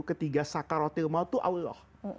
ketiga sakarotilma itu allah